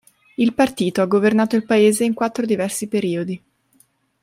Il partito ha governato il paese in quattro diversi periodi.